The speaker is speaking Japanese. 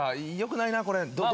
よくないなこれ。